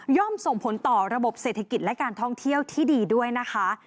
ส่งผลต่อระบบเศรษฐกิจและการท่องเที่ยวที่ดีด้วยนะคะ